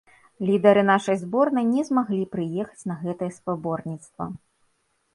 Лідары нашай зборнай не змаглі прыехаць на гэтае спаборніцтва.